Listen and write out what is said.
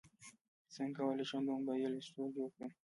څنګه کولی شم د موبایل رسټور جوړ کړم